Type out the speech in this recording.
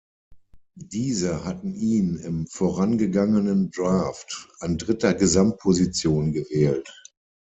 Diese hatten ihn im vorangegangenen Draft an dritter Gesamtposition gewählt.